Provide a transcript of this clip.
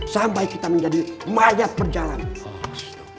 sampai kita menjadi mayat perjalanan